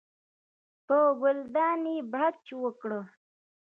په ګلداد یې بړچ وکړ.